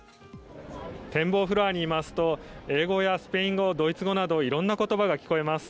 展望フロアにいますと英語やスペイン語、ドイツ語など色んな言葉が聞こえます。